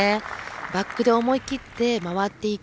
バックで思い切って回っていき